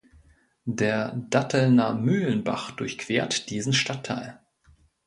Der Dattelner Mühlenbach durchquert diesen Stadtteil.